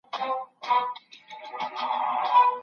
ساینسي قاطعیت به زموږ د څېړني کیفیت نور هم لوړ کړي.